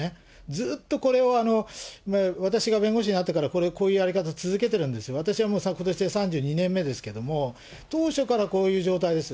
ずっとこれは私が弁護士になってから、こういうやり方、続けてるんです、私はもうことしで３２年目ですけれども、当初からこういう状態です。